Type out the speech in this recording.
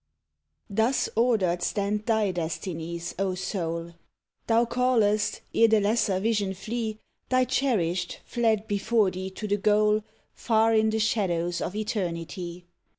Thus ordered stand thy destinies, O soul! Thou callest, ere the lesser vision flee, Thy cherished fled before thee to the goal Far in the shadows of Eternity.